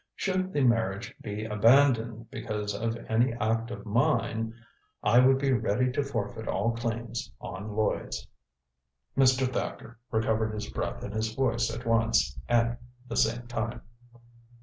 Should the marriage be abandoned because of any act of mine, I would be ready to forfeit all claims on Lloyds." Mr. Thacker recovered his breath and his voice at one and the same time.